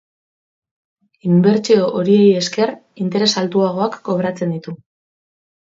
Inbertsio horiei esker interes altuagoak kobratzen ditu.